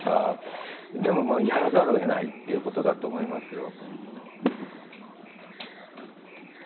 やらざるを得ないということだと思いますよ。